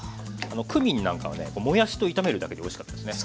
クミンなんかはねもやしと炒めるだけでおいしかったですね。